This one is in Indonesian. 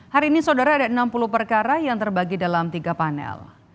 hari ini saudara ada enam puluh perkara yang terbagi dalam tiga panel